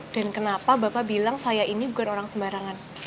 dan kenapa bapak bilang saya ini bukan orang sembarangan